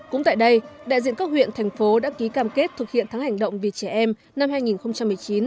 cũng tại đây đại diện các huyện thành phố đã ký cam kết thực hiện tháng hành động vì trẻ em năm hai nghìn một mươi chín